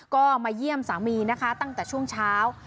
ก็มาเยี่ยมสามีนะคะตั้งแต่ช่วงเช้า